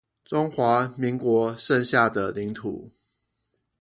中華民國剩下的領土